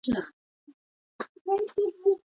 هغه له خپلو خلکو سره ستونزې لري.